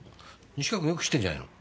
西川君よく知ってんじゃないの？